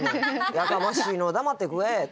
やかましいのう黙って食え」とか。